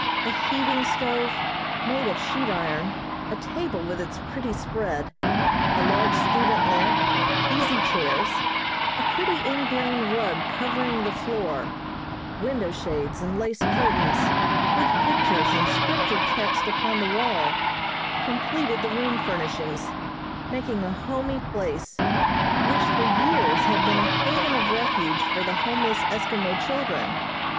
A heating stove, made of sheet iron, a table with its pretty spread, a large student lamp, easy chairs, a pretty ingrain rug covering the floor, window shades and lace curtains, with pictures and Scripture texts upon the wall, completed the room furnishings, making a homey place, which for years had been a haven of refuge for the homeless Eskimo children.